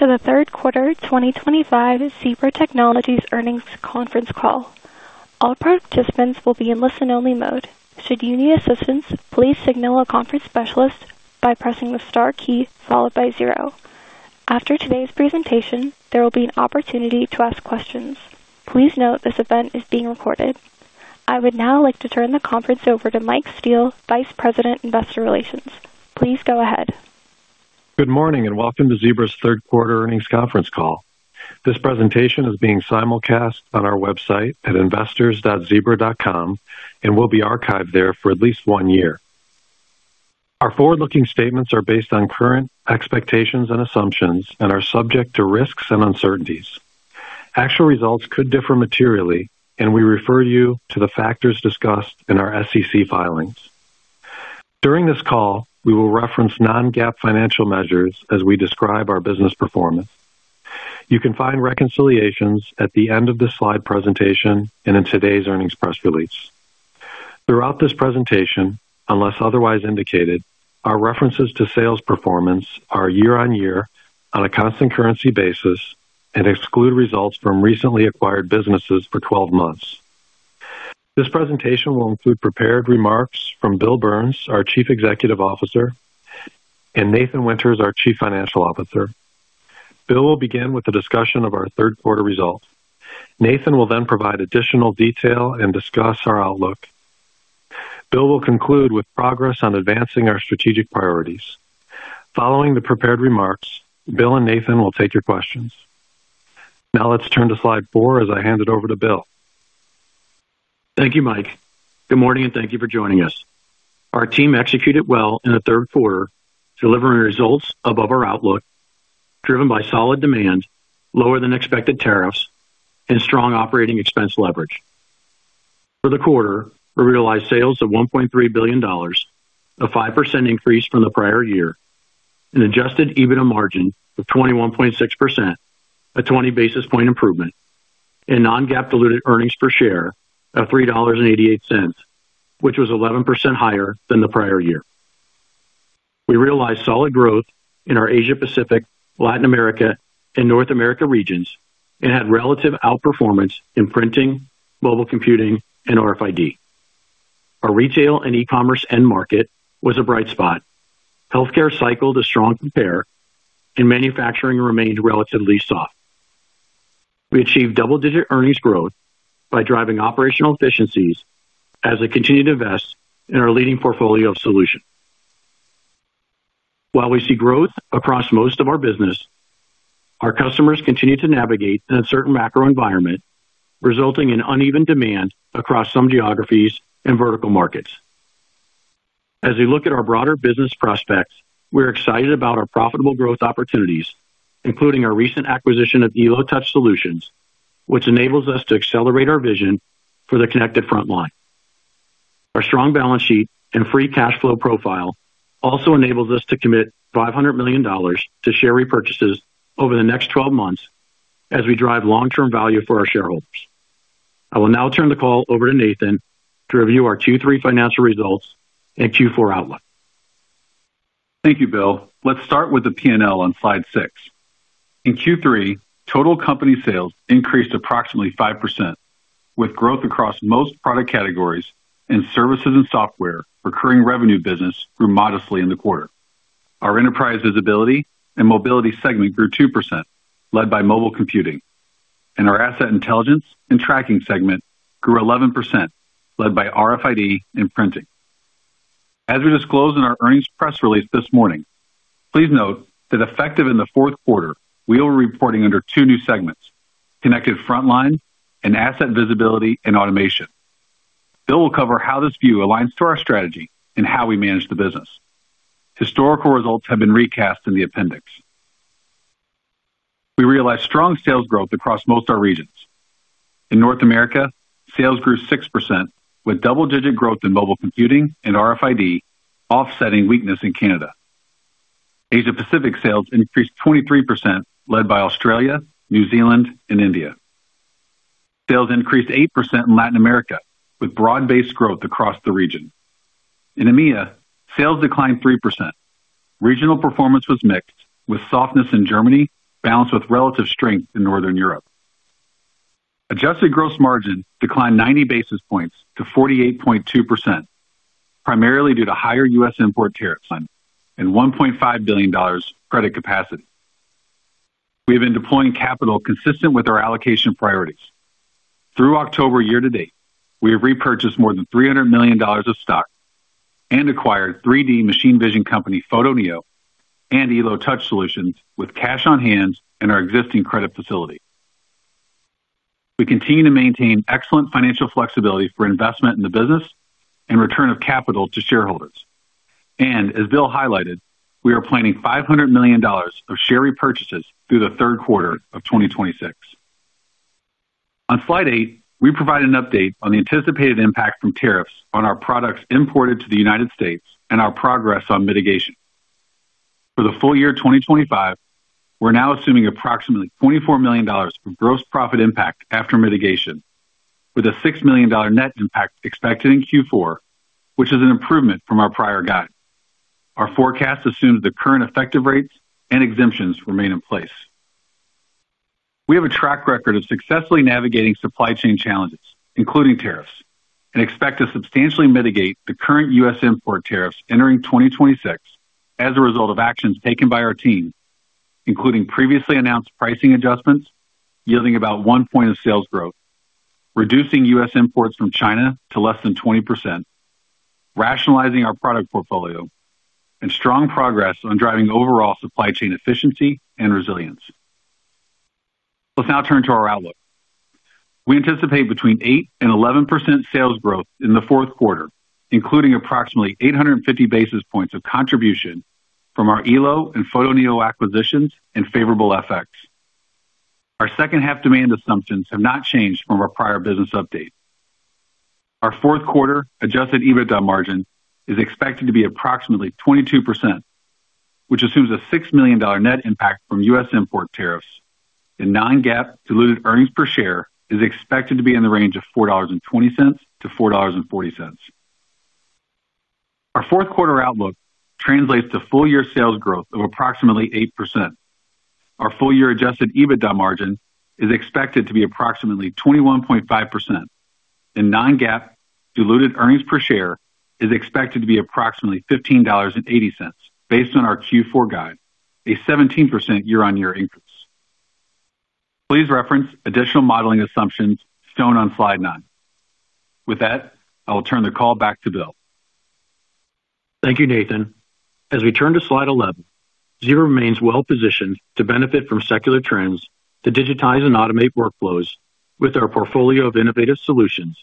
Welcome to the Third Quarter 2025 Zebra Technologies Earnings Conference Call. All participants will be in listen-only mode. Should you need assistance, please signal a conference specialist by pressing the star key followed by zero. After today's presentation, there will be an opportunity to ask questions. Please note, this event is being recorded. I would now like to turn the conference over to Mike Steele, Vice President, Investor Relations. Please go ahead. Good morning, and welcome to Zebra Technologies' Third Quarter Earnings Conference Call. This presentation is being simulcast on our website, at investors.zebra.com, and will be archived there for at least one year. Our forward-looking statements are based on current expectations and assumptions, and are subject to risks and uncertainties. Actual results could differ materially, and we refer you to the factors discussed in our SEC filings. During this call, we will reference non-GAAP financial measures, as we describe our business performance. You can find reconciliations at the end of the slide presentation, and in today's earnings press release. Throughout this presentation, unless otherwise indicated, our references to sales performance are year-on-year on a constant currency basis and exclude results from recently acquired businesses for 12 months. This presentation will include prepared remarks from Bill Burns, our Chief Executive Officer, and Nathan Winters, our Chief Financial Officer. Bill will begin with a discussion of our third-quarter results. Nathan will then provide additional detail and discuss our outlook. Bill will conclude with progress on advancing our strategic priorities. Following the prepared remarks, Bill and Nathan will take your questions. Now, let's turn to slide 4 as I hand it over to Bill. Thank you, Mike. Good morning, and thank you for joining us. Our team executed well in the third quarter, delivering results above our outlook, driven by solid demand, lower-than-expected tariffs and strong operating expense leverage. For the quarter, we realized sales of $1.3 billion, a 5% increase from the prior year, an adjusted EBITDA margin of 21.6%, a 20 basis point improvement, and non-GAAP diluted earnings per share of $3.88, which was 11% higher than the prior year. We realized solid growth in our Asia Pacific, Latin America, and North America regions, and had relative outperformance in printing, mobile computing, and RFID. Our retail and e-commerce end market was a bright spot, healthcare cycled a strong compare and manufacturing remained relatively soft. We achieved double-digit earnings growth, by driving operational efficiencies as we continue to invest in our leading portfolio of solutions. While we see growth across most of our business, our customers continue to navigate an uncertain macro environment, resulting in uneven demand across some geographies and vertical markets. As we look at our broader business prospects, we're excited about our profitable growth opportunities, including our recent acquisition of Elo Touch Solutions, which enables us to accelerate our vision for the connected frontline. Our strong balance sheet and free cash flow profile also enable us to commit $500 million to share repurchases over the next 12 months, as we drive long-term value for our shareholders. I will now turn the call over to Nathan, to review our Q3 financial results and Q4 outlook. Thank you, Bill. Let's start with the P&L on slide 6. In Q3, total company sales increased approximately 5%, with growth across most product categories and services, and software, recurring revenue business grew modestly in the quarter. Our enterprise visibility and mobility segment grew 2%, led by mobile computing. Our asset intelligence and tracking segment grew 11%, led by RFID and printing, as we disclosed in our earnings press release this morning. Please note that effective in the fourth quarter, we will be reporting under two new segments, connected frontline and asset visibility and automation. Bill will cover how this view aligns to our strategy and how we manage the business. Historical results have been recast in the appendix. We realized strong sales growth across most of our regions. In North America, sales grew 6%, with double-digit growth in mobile computing and RFID offsetting weakness in Canada. Asia Pacific sales increased 23%, led by Australia, New Zealand, and India. Sales increased 8% in Latin America, with broad-based growth across the region. In EMEA, sales declined 3%. Regional performance was mixed with softness in Germany, balanced with relative strength in Northern Europe. Adjusted gross margin declined 90 basis points to 48.2%, primarily due to higher U.S. import tariffs and $1.5 billion credit capacity. We have been deploying capital consistent with our allocation priorities. Through October year-to-date, we have repurchased more than $300 million of stock and acquired 3D machine vision company Photoneo and Elo Touch Solutions, with cash on hand and our existing credit facility. We continue to maintain excellent financial flexibility for investment in the business, and return of capital to shareholders. As Bill highlighted, we are planning $500 million of share repurchases through the third quarter of 2026. On slide 8, we provide an update on the anticipated impact from tariffs on our products imported to the United States and our progress on mitigation. For the full-year 2025, we're now assuming approximately $24 million of gross profit impact after mitigation, with a $6 million net impact expected in Q4, which is an improvement from our prior guide. Our forecast assumes the current effective rates, and exemptions remain in place. We have a track record of successfully navigating supply chain challenges, including tariffs, and expect to substantially mitigate the current U.S. import tariffs entering 2026, as a result of actions taken by our team, including previously announced pricing adjustments yielding about 1% of sales growth, reducing U.S. imports from China to less than 20%, rationalizing our product portfolio, and strong progress on driving overall supply chain efficiency and resilience. Let's now turn to our outlook. We anticipate between 8% and 11% sales growth in the fourth quarter, including approximately 850 basis points of contribution from our Elo and Photoneo acquisitions and favorable FX. Our second-half demand assumptions have not changed from our prior business update. Our fourth quarter adjusted EBITDA margin is expected to be approximately 22%, which assumes a $6 million net impact from U.S. import tariffs, and non-GAAP diluted earnings per share is expected to be in the range of $4.20-$4.40. Our fourth quarter outlook translates to full-year sales growth of approximately 8%. Our full-year adjusted EBITDA margin is expected to be approximately 21.5%, and non-GAAP diluted earnings per share is expected to be approximately $15.80, based on our Q4 guide, a 17% year-on-year increase. Please reference additional modeling assumptions shown on slide 9. With that, I will turn the call back to Bill. Thank you, Nathan. As we turn to slide 11, Zebra remains well-positioned to benefit from secular trends to digitize and automate workflows with our portfolio of innovative solutions,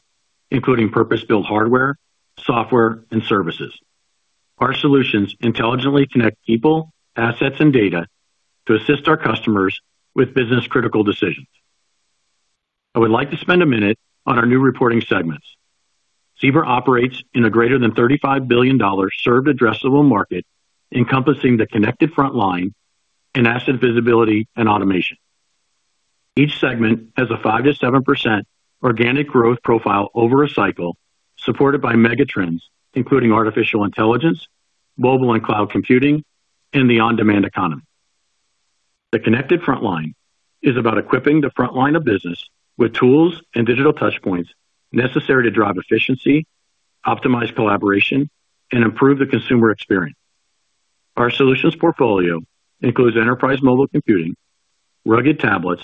including purpose-built hardware, software, and services. Our solutions intelligently connect people, assets, and data, to assist our customers with business-critical decisions. I would like to spend a minute on our new reporting segments. Zebra operates in a greater than $35 billion served addressable market, encompassing the connected frontline in asset visibility and automation. Each segment has a 5%-7% organic growth profile over a cycle, supported by megatrends, including artificial intelligence, mobile and cloud computing, and the on-demand economy. The connected frontline is about equipping the frontline of business with tools and digital touch points necessary to drive efficiency, optimize collaboration, and improve the consumer experience. Our solutions portfolio includes enterprise mobile computing, rugged tablets,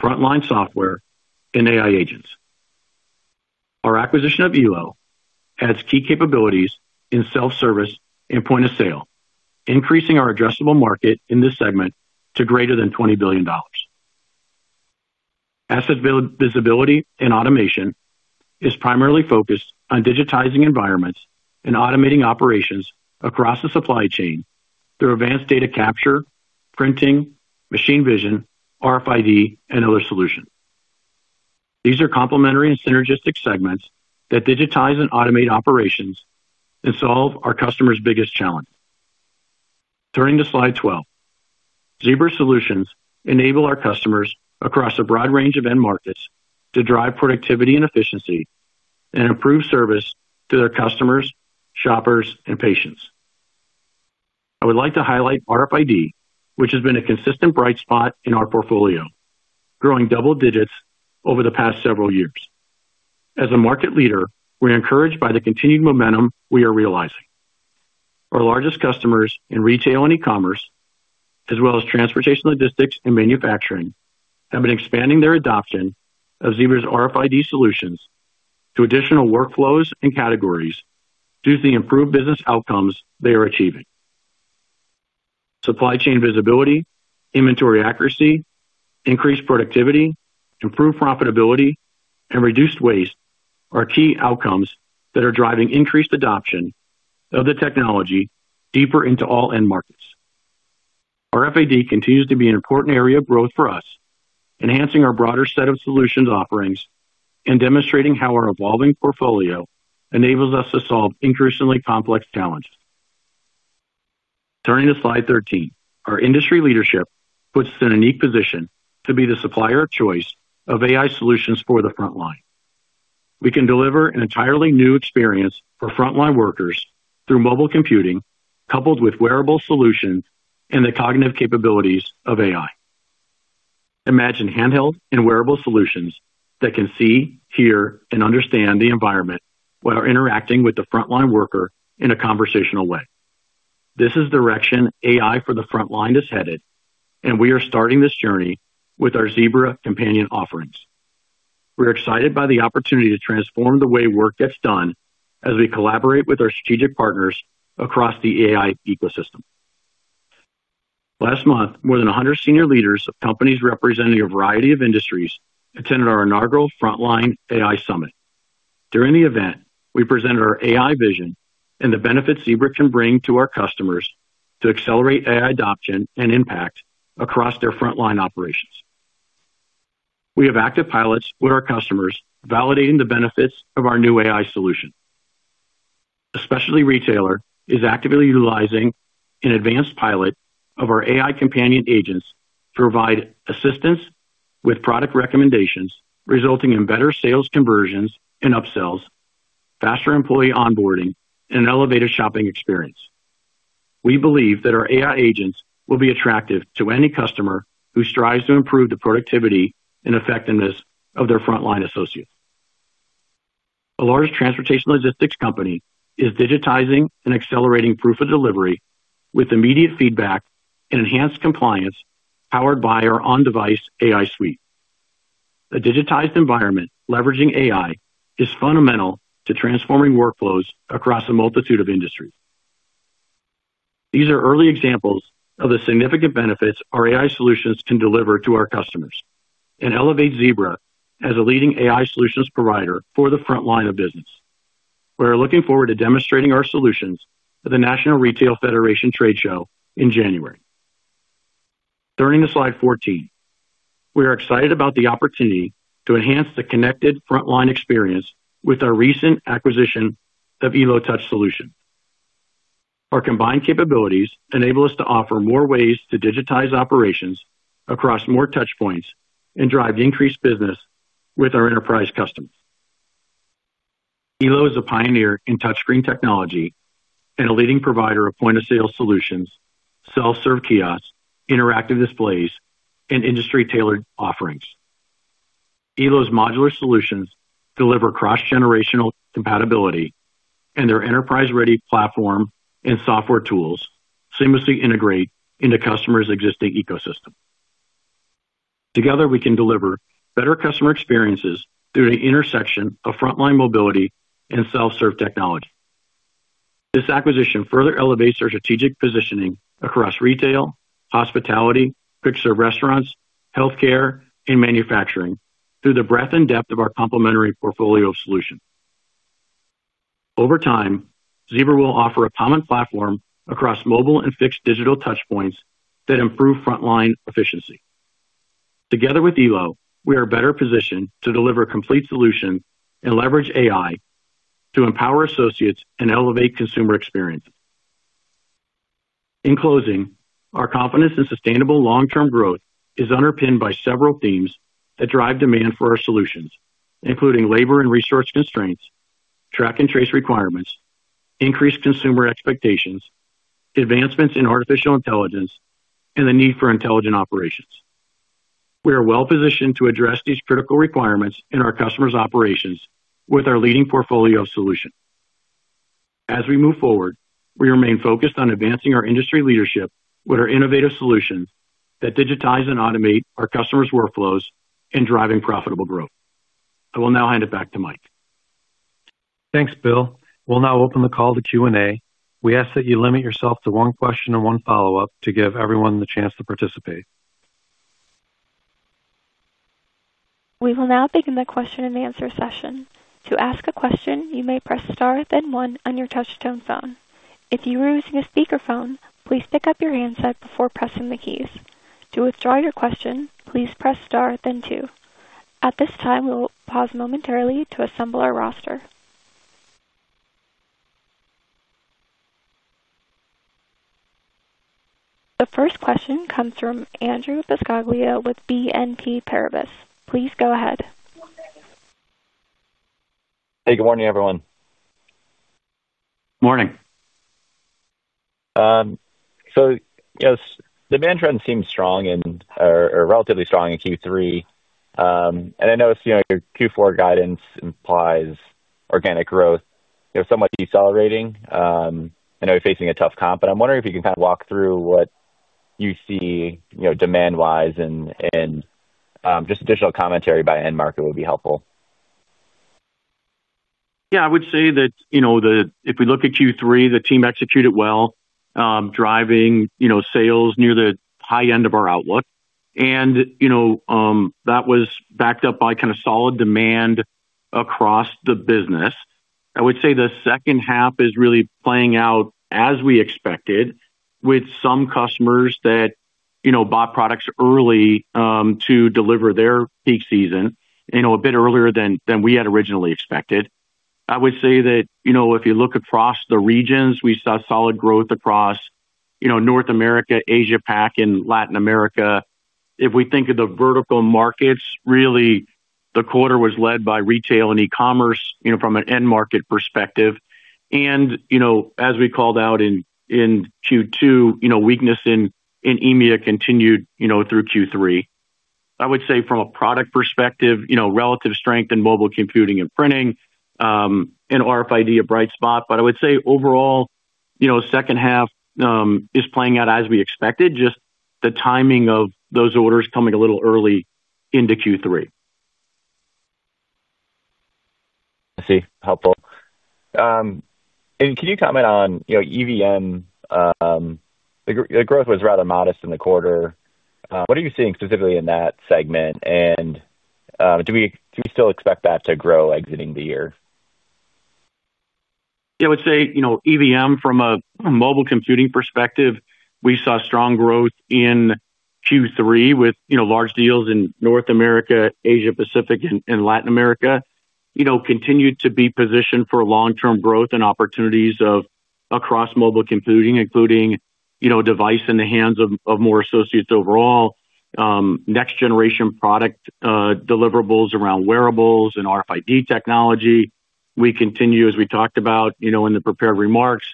frontline software, and AI agents. Our acquisition of Elo adds key capabilities in self-service and point of sale, increasing our addressable market in this segment to greater than $20 billion. Asset visibility and automation is primarily focused on digitizing environments, and automating operations across the supply chain through advanced data capture, printing, machine vision, RFID, and other solutions. These are complementary and synergistic segments that digitize and automate operations, and solve our customers' biggest challenge. Turning to slide 12, Zebra solutions enable our customers across a broad range of end markets, to drive productivity and efficiency and improve service to their customers, shoppers, and patients. I would like to highlight RFID, which has been a consistent bright spot in our portfolio, growing double digits over the past several years. As a market leader, we are encouraged by the continued momentum we are realizing. Our largest customers in retail and e-commerce, as well as transportation, logistics, and manufacturing, have been expanding their adoption of Zebra's RFID solutions to additional workflows and categories due to the improved business outcomes they are achieving. Supply chain visibility, inventory accuracy, increased productivity, improved profitability, and reduced waste are key outcomes that are driving increased adoption of the technology deeper into all end markets. Our RFID continues to be an important area of growth for us, enhancing our broader set of solutions offerings and demonstrating how our evolving portfolio enables us to solve increasingly complex challenges. Turning to slide 13, our industry leadership puts us in a unique position to be the supplier of choice of AI solutions for the frontline. We can deliver an entirely new experience for frontline workers through mobile computing, coupled with wearable solutions and the cognitive capabilities of AI. Imagine handheld and wearable solutions that can see, hear, and understand the environment, while interacting with the frontline worker in a conversational way. This is the direction AI for the frontline is headed, and we are starting this journey with our Zebra Companion offerings. We're excited by the opportunity to transform the way work gets done, as we collaborate with our strategic partners across the AI ecosystem. Last month, more than 100 senior leaders of companies representing a variety of industries attended our inaugural Frontline AI Summit. During the event, we presented our AI vision, and the benefits Zebra can bring to our customers to accelerate AI adoption and impact across their frontline operations. We have active pilots with our customers, validating the benefits of our new AI solution. A specialty retailer is actively utilizing an advanced pilot of our AI Companion agents, to provide assistance with product recommendations, resulting in better sales conversions and upsells, faster employee onboarding, and an elevated shopping experience. We believe that our agents will be attractive to any customer who strives to improve the productivity and effectiveness of their frontline associates. A large transportation logistics company is digitizing and accelerating proof of delivery, with immediate feedback and enhanced compliance powered by our on-device AI suite. A digitized environment leveraging AI is fundamental to transforming workflows across a multitude of industries. These are early examples of the significant benefits our AI solutions can deliver to our customers, and elevate Zebra as a leading AI solutions provider for the frontline of business. We are looking forward to demonstrating our solutions at the National Retail Federation trade show in January. Turning to slide 14, we are excited about the opportunity to enhance the connected frontline experience with our recent acquisition of Elo Touch Solutions. Our combined capabilities enable us to offer more ways to digitize operations across more touch points, and drive increased business with our enterprise customers. Elo is a pioneer in touchscreen technology, and a leading provider of point of sale solutions, self-serve kiosks, interactive displays, and industry-tailored offerings. Elo's modular solutions deliver cross-generational compatibility, and their enterprise-ready platform and software tools seamlessly integrate into customers' existing ecosystem. Together, we can deliver better customer experiences through the intersection of frontline mobility and self-serve technology. This acquisition further elevates our strategic positioning across retail, hospitality, quick-serve restaurants, health care, and manufacturing through the breadth and depth of our complementary portfolio of solutions. Over time, Zebra will offer a common platform across mobile and fixed digital touchpoints that improve frontline efficiency. Together with Elo, we are better positioned to deliver complete solutions, and leverage AI to empower associates and elevate consumer experiences. In closing, our confidence in sustainable long-term growth is underpinned by several themes that drive demand for our solutions, including labor and resource constraints, track and trace requirements, increased consumer expectations, advancements in artificial intelligence, and the need for intelligent operations. We are well-positioned to address these critical requirements in our customers' operations, with our leading portfolio of solutions. As we move forward, we remain focused on advancing our industry leadership with our innovative solutions that digitize and automate our customers' workflows and driving profitable growth. I will now hand it back to Mike. Thanks, Bill. We'll now open the call to Q&A. We ask that you limit yourself to one question and one follow-up, to give everyone the chance to participate. We will now begin the question-and-answer session. To ask a question, you may press star then one on your touchtone phone. If you are using a speakerphone, please pick up your handset before pressing the keys. To withdraw your question, please press star then two. At this time, we will pause momentarily to assemble our roster. The first question comes from Andrew Buscaglia with BNP Paribas. Please go ahead. Hey. Good morning, everyone. Morning. As demand trend seems strong or relatively strong in Q3, and I noticed your Q4 guidance implies organic growth somewhat decelerating. I know you're facing a tough comp, but I'm wondering if you can kind of walk through what you see demand-wise and just additional commentary by end market would be helpful. Yeah, I would say that you know, if we look at Q3, the team executed well, driving sales near the high end of our outlook, and that was backed up by solid demand across the business. I would say the second half is really playing out as we expected, with some customers that bought products early, to deliver their peak season a bit earlier than we had originally expected. I would say that, if you look across the regions, we saw solid growth across North America, Asia Pac, and Latin America. If we think of the vertical markets, really the quarter was led by retail and e-commerce from an end market perspective. As we called out in Q2, weakness in EMEA continued through Q3. I would say from a product perspective, relative strength in mobile computing and printing, and RFID a bright spot. I would say overall, the second half is playing out as we expected, just the timing of those orders coming a little early into Q3. I see, helpful. Can you comment on, you know, EVM? The growth was rather modest in the quarter. What are you seeing specifically in that segment, and do we still expect that to grow exiting the year? Yeah, I would say EVM from a mobile computing perspective, we saw strong growth in Q3, with large deals in North America, Asia Pacific, and Latin America. We continue to be positioned for long-term growth and opportunities across mobile computing, including device in the hands of more associates overall, next generation product deliverables around wearables and RFID technology. As we talked about in the prepared remarks,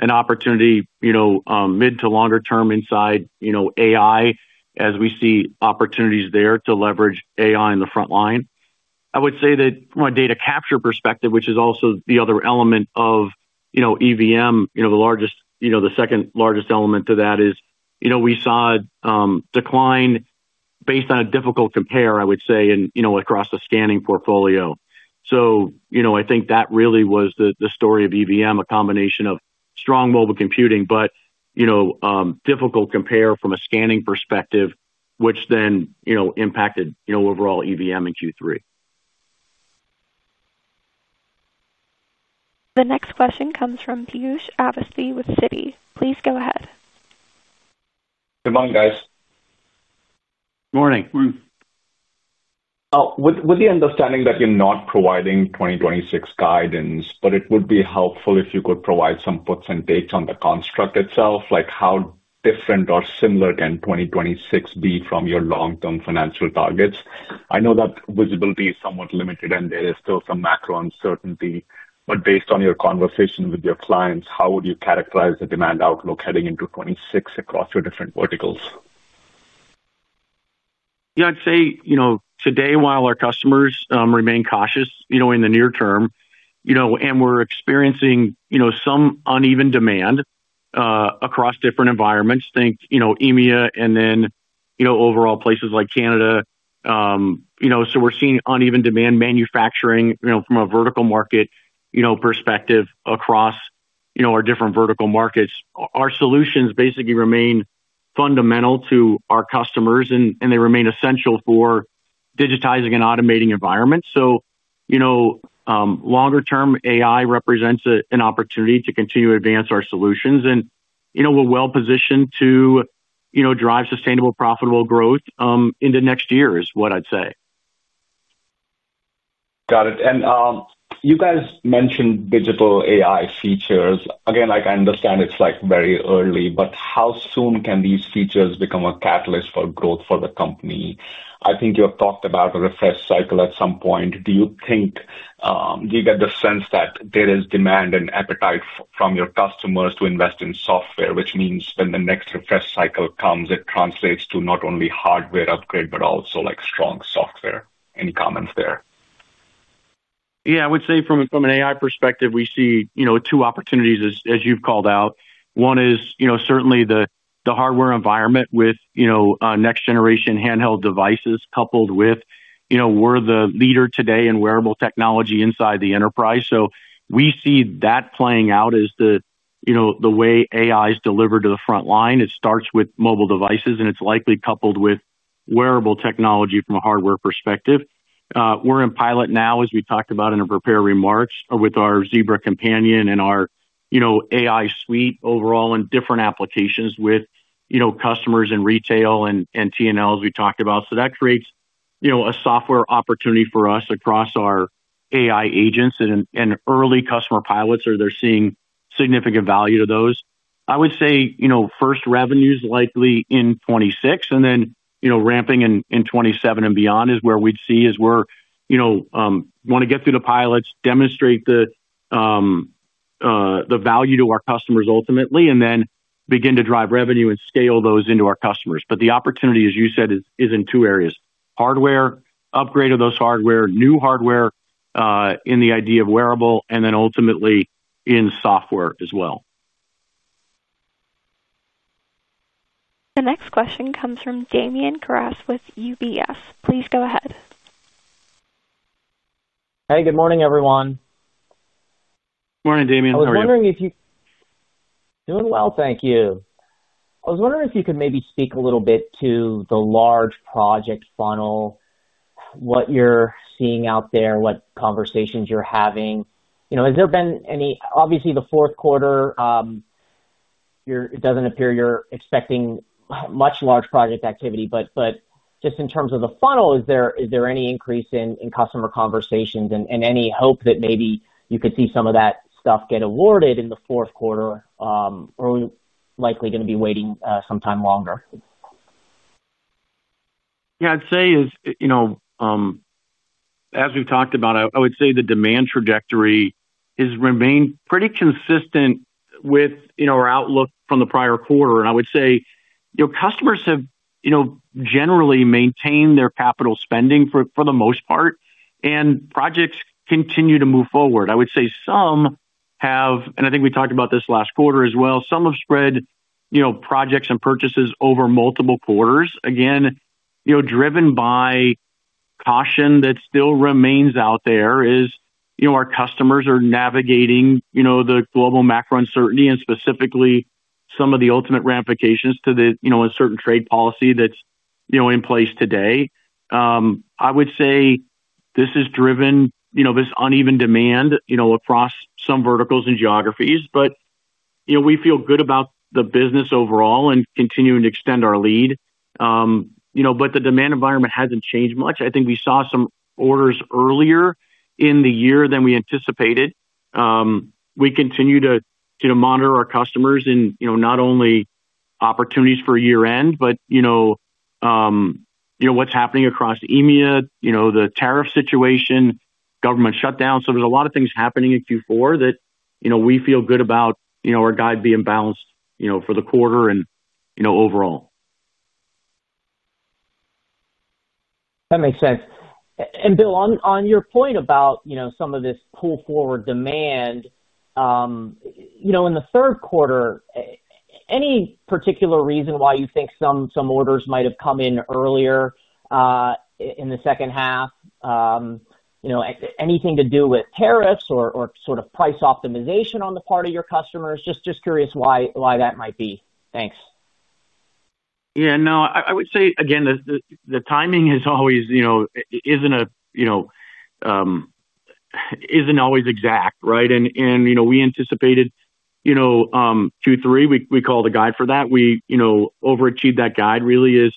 an opportunity mid to longer term inside AI, as we see opportunities there to leverage AI in the frontline. I would say that from a data capture perspective, which is also the other element of EVM, the second largest element to that is, we saw decline based on a difficult compare across the scanning portfolio. I think that really was the story of EVM, a combination of strong mobile computing, but difficult compare from a scanning perspective, which then impacted overall EVM in Q3. The next question comes from Piyush Avasthy with Citi. Please go ahead. Good morning, guys. Morning. Morning. Now, with the understanding that you're not providing 2026 guidance, it would be helpful if you could provide some puts and takes on the construct itself. Like how different or similar can 2026 be from your long-term financial targets? I know that visibility is somewhat limited, and there is still some macro uncertainty. Based on your conversation with your clients, how would you characterize the demand outlook heading into 2026 across your different verticals? I'd say today, while our customers remain cautious in the near term, we're experiencing some uneven demand across different environments. Think EMEA and then overall places like Canada, so we're seeing uneven demand manufacturing from a vertical market perspective across our different vertical markets. Our solutions basically remain fundamental to our customers, and they remain essential for digitizing and automating environments. Longer term, AI represents an opportunity to continue to advance our solutions, and we're well positioned to drive sustainable, profitable growth into next year, is what I'd say. Got it. You guys mentioned digital AI features. I understand it's very early, but how soon can these features become a catalyst for growth for the company? I think you have talked about a refresh cycle at some point. Do you get the sense that there is demand and appetite from your customers to invest in software? Which means when the next refresh cycle comes, it translates to not only hardware upgrade, but also like strong software. Any comments there? Yeah, I would say from an AI perspective, we see two opportunities as you've called out. One is certainly the hardware environment with next-generation handheld devices coupled with, we're the leader today in wearable technology inside the enterprise, so we see that playing out as the way AI is delivered to the frontline. It starts with mobile devices, and it's likely coupled with wearable technology from a hardware perspective. We're in pilot now as we talked about in our prepared remarks, with our Zebra Companion and our AI suite overall in different applications, with customers in retail and T&L as we talked about. That creates, you know, a software opportunity for us across our AI agents and early customer pilots, where they're seeing significant value to those. I would say, first revenues likely in 2026, and then ramping in 2027 and beyond is where we'd see as we want to get through the pilots, demonstrate the value to our customers ultimately and then begin to drive revenue and scale those into our customers. The opportunity, as you said, is in two areas, hardware, upgrade of those hardware, new hardware in the idea of wearable and then ultimately in software as well. The next question comes from Damian Karas with UBS. Please go ahead. Hey. Good morning, everyone. Morning, Damian. How are you? Doing well. Thank you. I was wondering if you could maybe speak a little bit to the large project funnel. What you're seeing out there, what conversations you're having, obviously the fourth quarter, it doesn't appear you're expecting much large project activity. Just in terms of the funnel, is there any increase in customer conversations, and any hope that maybe you could see some of that stuff get awarded in the fourth quarter or likely going to be waiting sometime longer? Yeah. As we've talked about, I would say the demand trajectory has remained pretty consistent with our outlook from the prior quarter. I would say your customers have generally maintained their capital spending for the most part, and projects continue to move forward. I would say, and I think we talked about this last quarter as well, some have spread projects and purchases over multiple quarters. Again, driven by caution that still remains out there, is our customers are navigating the global macro uncertainty and specifically some of the ultimate ramifications to a certain trade policy that's in place today. I would say this has driven this uneven demand across some verticals and geographies. We feel good about the business overall and continuing to extend our lead, but the demand environment hasn't changed much. I think we saw some orders earlier in the year than we anticipated. We continue to monitor our customers in not only opportunities for year-end, but what's happening across EMEA, the tariff situation, government shutdown. There are a lot of things happening in Q4, that we feel good about our guide being balanced for the quarter and overall. That makes sense. Bill, on your point about some of this pull-forward demand, in the third quarter, any particular reason why you think some orders might have come in earlier in the second half? Anything to do with tariffs or sort of price optimization on the part of your customers? Just curious why that might be. Thanks. Yeah. No, I would say again the timing isn't always exact, right? We anticipated, Q3, we called the guide for that. We overachieved that guide really, as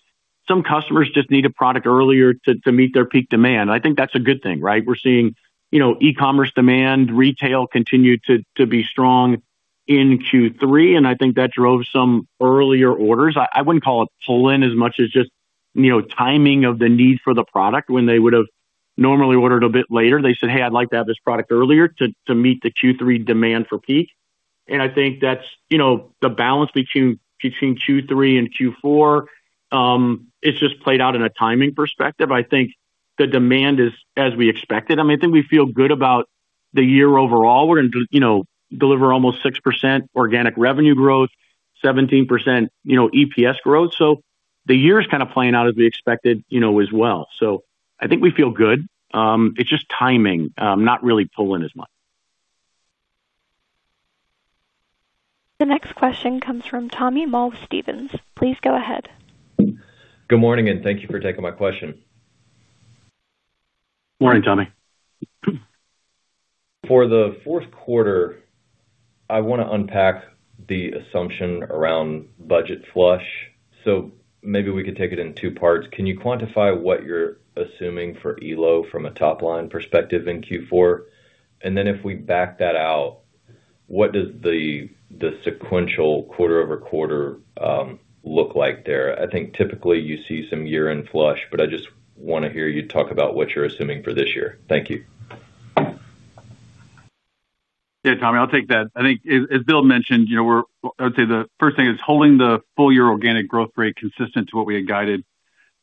some customers just need a product earlier to meet their peak demand. I think that's a good thing. We're seeing e-commerce demand, retail continue to be strong in Q3 and I think that drove some earlier orders. I wouldn't call it pull-in, as much as just timing of the need for the product. When they would have normally ordered a bit later, they said, "Hey, I'd like to have this product earlier," to meet the Q3 demand for peak. I think that's the balance between Q3 and Q4. It's just played out in a timing perspective. I think the demand is as we expected. I think we feel good about the year overall. We're going to deliver almost 6% organic revenue growth, 17% EPS growth. The year is kind of playing out as we expected as well. I think we feel good. It's just timing, not really pulling as much. The next question comes from Tommy Moll, Stephens. Please go ahead. Good morning, and thank you for taking my question. Morning, Tommy. For the fourth quarter, I want to unpack the assumption around budget flush. Maybe we could take it in two parts. Can you quantify what you're assuming for Elo from a top line perspective in Q4, and then if we back that out, what does the sequential quarter-over-quarter look like there? I think typically, you see some year-end flush, but I just want to hear you talk about what you're assuming for this year. Thank you. Yeah, Tommy. I'll take that. I think as Bill mentioned, I would say the first thing is holding the full year organic growth rate consistent to what we had guided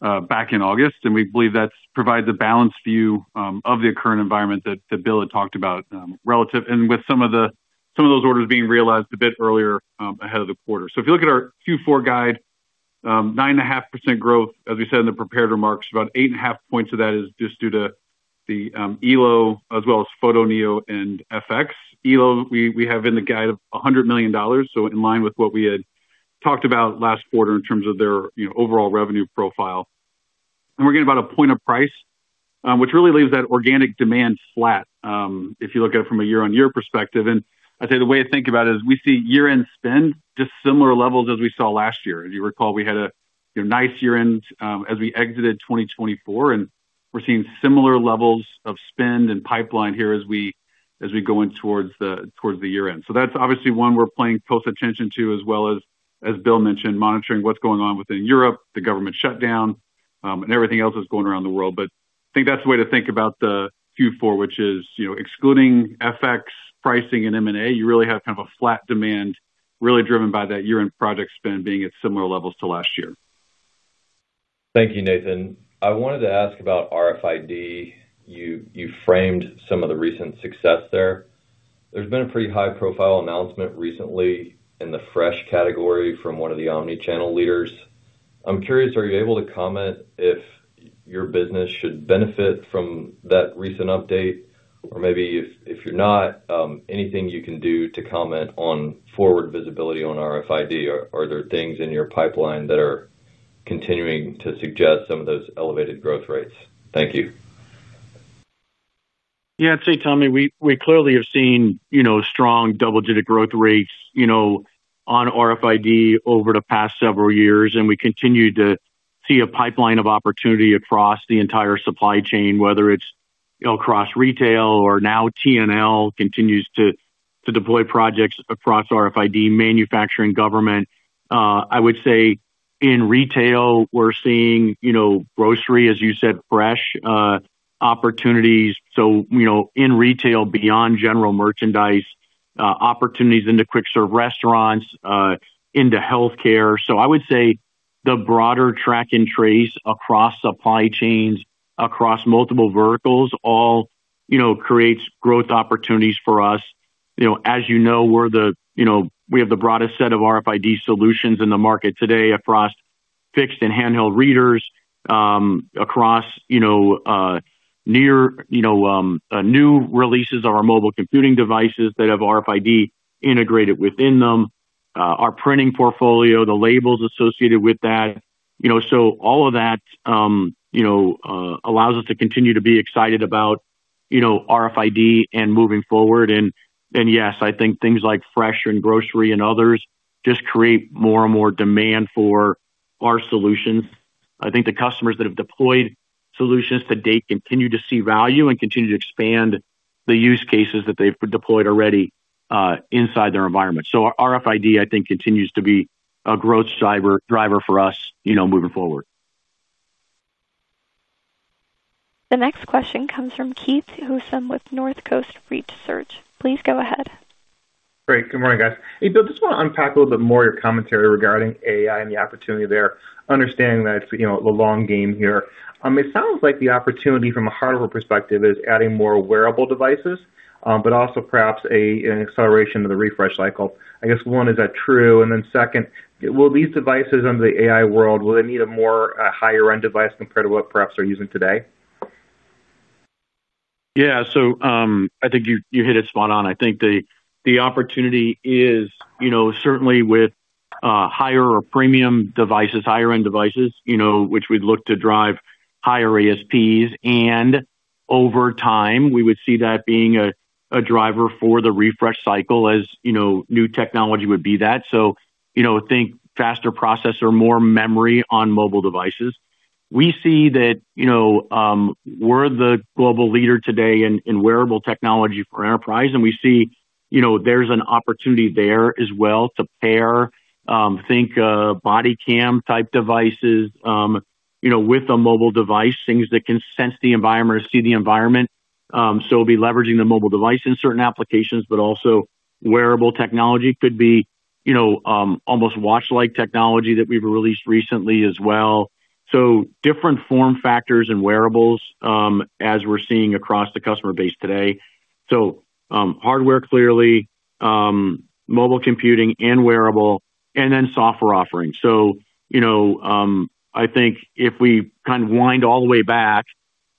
back in August, and we believe that provides a balanced view of the current environment that Bill had talked about, and with some of those orders being realized a bit earlier ahead of the quarter. If you look at our Q4 guide, 9.5% growth, as we said in the prepared remarks, about 8.5 points of that is just due to the Elo, as well as Photoneo and FX. Elo, we have in the guide, at $100 million, so in line with what we had talked about last quarter in terms of their overall revenue profile. We're getting about a point of price, which really leaves that organic demand flat, if you look at it from a year-on-year perspective. I'd say the way to think about it is, we see year-end spend at similar levels as we saw last year. As you recall, we had a nice year-end as we exited 2024, and we're seeing similar levels of spend and pipeline here as we go in towards the year-end. That's obviously one we're paying close attention to, as well as, as Bill mentioned, monitoring what's going on within Europe, the government shutdown and everything else that's going on around the world. I think that's the way to think about Q4, which is, you know, excluding FX, pricing, and M&A, you really have kind of a flat demand really driven by that year-end project spend being at similar levels to last year. Thank you, Nathan. I wanted to ask about RFID. You framed some of the recent success there. There's been a pretty high profile announcement recently in the fresh category from one of the omnichannel leaders. I'm curious, are you able to comment if your business should benefit from that recent update or maybe if you're not, anything you can do to comment on forward visibility on RFID? Are there things in your pipeline that are continuing to suggest some of those elevated growth rates? Thank you. Yeah. I'd say, Tommy, we clearly have seen strong double-digit growth rates on RFID over the past several years, and we continue to see a pipeline of opportunity across the entire supply chain, whether it's across retail or now. TNL continues to deploy projects across RFID, manufacturing, government. I would say in retail, we're seeing, you know, grocery, as you said, fresh opportunities. In retail, beyond general merchandise opportunities into quick serve restaurants, into health care. I would say the broader track and trace across supply chains, across multiple verticals, all creates growth opportunities for us. As you know, we have the broadest set of RFID solutions in the market today across fixed and handheld readers, across new releases of our mobile computing devices that have RFID integrated within them, our printing portfolio, the labels associated with that. All of that allows us to continue to be excited about RFID and moving forward. Yes, I think things like fresh and grocery and others just create more and more demand for our solutions. I think the customers that have deployed solutions to date, continue to see value and continue to expand the use cases that they've deployed already inside their environment. RFID I think continues to be a growth driver for us moving forward. The next question comes from Keith Housum with Northcoast Research. Please go ahead. Great. Good morning, guys. Hey Bill, just want to unpack a little bit more your commentary regarding AI and the opportunity there. Understanding that it's a long game here. It sounds like the opportunity from a hardware perspective is adding more wearable devices, but also perhaps an acceleration of the refresh cycle. I guess, one, is that true? Second, these devices under the AI world, will they need a more higher-end device compared to what perhaps you're using today? Yeah, so I think you hit it spot on. I think the opportunity is certainly with higher or premium devices, higher-end devices which we'd look to drive higher ASPs, and over time, we would see that being a driver for the refresh cycle as new technology would be that. Think, faster processor, more memory on mobile devices. We see that we're the global leader today in wearable technology for enterprise, and we see there's an opportunity there as well to pair, think body cam type devices, with a mobile device, things that can sense the environment or see the environment, so be leveraging the mobile device in certain applications. Also, wearable technology could be almost watch-like technology that we've released recently as well. Different form factors and wearables, as we're seeing across the customer base today. Hardware clearly, mobile computing and wearable, and then software offerings. I think if we kind of wind all the way back,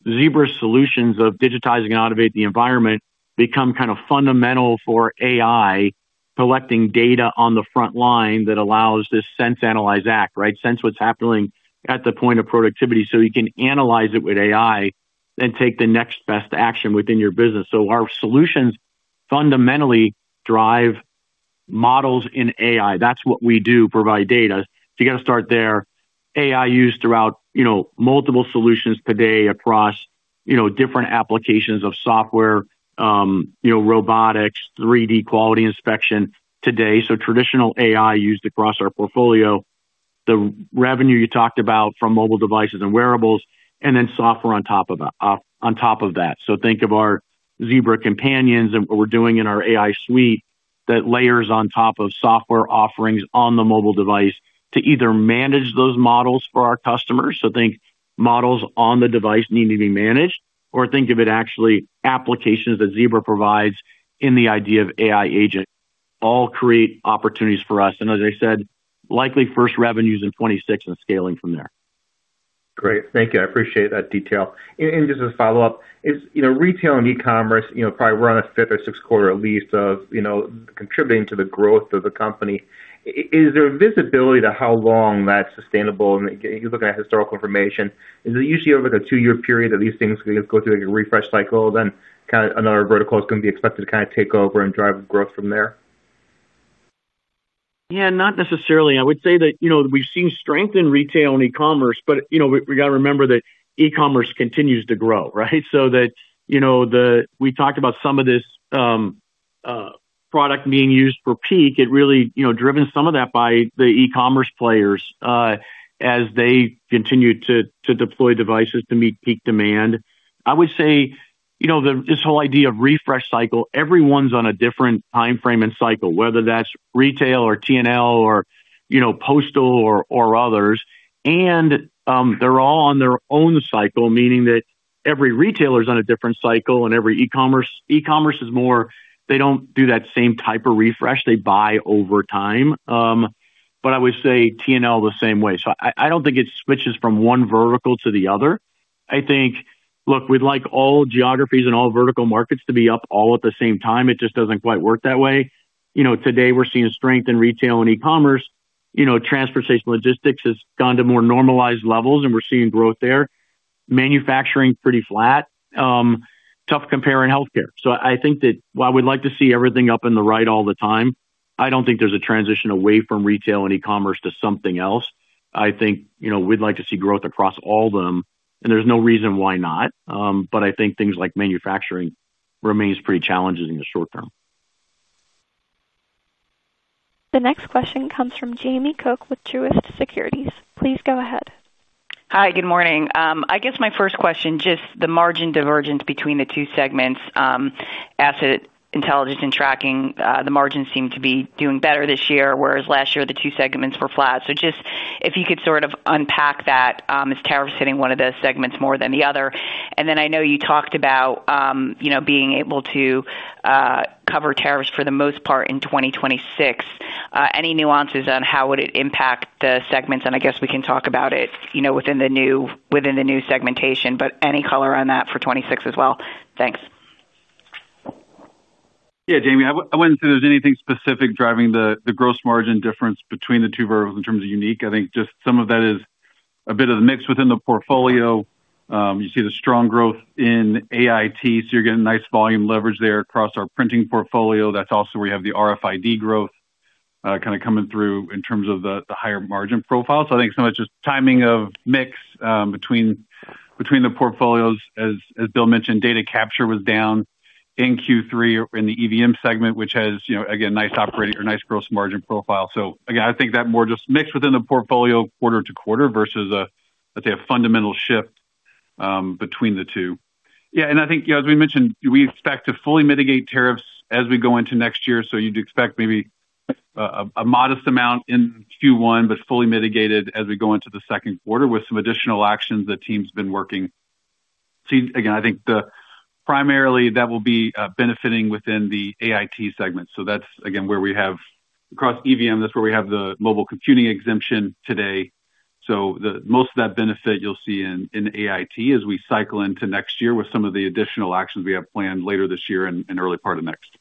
Zebra solutions of digitizing out of the environment become kind of fundamental for AI, collecting data on the front line that allows this sense, analyze, act, right? Sense what's happening at the point of productivity, so you can analyze it with AI and take the next best action within your business. Our solutions fundamentally drive models in AI. That's what we do, provide data. You got to start there. AI used throughout multiple solutions today across different applications of software, robotics, 3D quality inspection today. Traditional AI used across our portfolio, the revenue you talked about from mobile devices and wearables, and then software on top of that. Think of our Zebra Companions and what we're doing in our AI suite, that layers on top of software offerings on the mobile device, to either manage those models for our customers. Think, models on the device need to be managed, or think of it actually, applications that Zebra provides in the idea of AI agent, all create opportunities for us and as I said, likely first revenues in 2026 and scaling from there. Great, thank you. I appreciate that detail. Just as a follow up, retail and e-commerce, probably we're on the fifth or sixth quarter at least of contributing to the growth of the company. Is there visibility to how long that's sustainable? You're looking at historical information. Is it usually over the two-year period that these things go through a refresh cycle, then another vertical is going to be expected to take over and drive growth from there? Yeah, not necessarily. I would say that we've seen strength in retail and e-commerce, but you know, we got to remember that e-commerce continues to grow, right? We talked about some of this product being used for peak. It's really driven some of that by the e-commerce players, as they continue to deploy devices to meet peak demand. I would say that this whole idea of refresh cycle, everyone's on a different time frame and cycle, whether that's retail or T&L, or postal or others and they're all on their own cycle. Meaning that every retailer is on a different cycle, and e-commerce is more, they don't do that same type of refresh. They buy over time. I would say T&L the same way. I don't think it switches from one vertical to the other. I think, look, we'd like all geographies and all vertical markets to be up all at the same time. It just doesn't quite work that way. Today, we're seeing strength in retail and e-commerce. Transportation and logistics has gone to more normalized levels, and we're seeing growth there. Manufacturing pretty flat, tough compare in healthcare. I think that while we'd like to see everything up and to the right all the time, I don't think there's a transition away from retail and e-commerce to something else. I think we'd like to see growth across all of them, and there's no reason why not, but I think things like manufacturing remains pretty challenging in the short term. The next question comes from Jamie Cook with Truist Securities. Please go ahead. Hi, good morning. I guess my first question, just the margin divergence between the two segments, asset intelligence and tracking, the margins seem to be doing better this year, whereas last year the two segments were flat. Just if you could sort of unpack that, is tariffs hitting one of those segments more than the other? I know you talked about being able to cover tariffs for the most part in 2026. Any nuances on how it would impact the segments? I guess we can talk about it within the new segmentation, but any color for 2026 as well? Thanks. Yeah, Jamie. I wouldn't say there's anything specific driving the gross margin difference between the two verticals in terms of unique. I think just some of that is a bit of the mix within the portfolio. You see the strong growth in AIT, so you're getting nice volume leverage there across our printing portfolio. That's also where you have the RFID growth kind of coming through in terms of the higher margin profile. I think so much is just timing of mix between the portfolios. As Bill mentioned, data capture was down in Q3 in the EVM segment, which has again nice operating or nice gross margin profile. Again, I think that is more just mix within the portfolio quarter to quarter versus a fundamental shift between the two. I think as we mentioned, we expect to fully mitigate tariffs as we go into next year. You'd expect maybe a modest amount in Q1, but fully mitigated as we go into the second quarter with some additional actions the team's been working. I think primarily that will be benefiting within the AIT segment. That's again across EVM, that's where we have the mobile computing exemption today. Most of that benefi, you'll see in AIT as we cycle into next year, with some of the additional actions we have planned later this year and early part of next.